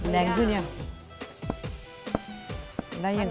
แรงขึ้นอย่าง